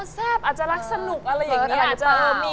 แซ่บอาจจะรักสนุกอะไรอย่างนี้